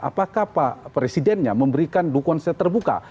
apakah pak presidennya memberikan dukungan secara terbuka